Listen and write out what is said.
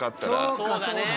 そうだね。